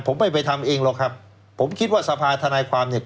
ผมไม่ไปทำเองหรอกครับผมคิดว่าสภาธนายความเนี่ย